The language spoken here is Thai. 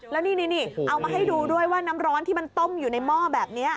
แล้วนี่เอามาให้ดูด้วยว่าน้ำร้อนที่มันต้มอยู่ในหม้อแบบนี้